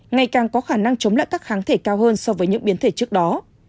ngày càng có khả năng chống lại các kháng thể cao hơn so với những biến thể trước đó